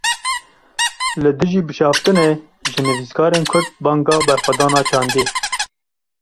Li dijî bişaftinê, ji nivîskarên Kurd banga berxwedana çandî